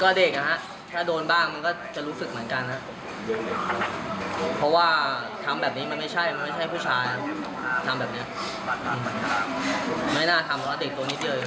ก็เด็กนะฮะถ้าโดนบ้างมันก็จะรู้สึกเหมือนกันนะครับเพราะว่าทำแบบนี้มันไม่ใช่ไหมใช่ผู้ชายทำแบบนี้มาดนาทำก็ติดตรงนิดเยอะเหมือนพี่